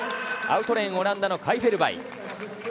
アウトレーン、オランダのカイ・フェルバイ。